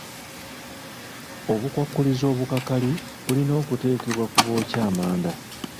Obukwakkulizo obukakali bulina okuteebwa ku bookya amanda.